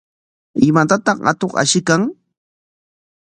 ¿Imatataq atuq ashiykan?